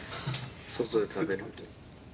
外で食べる？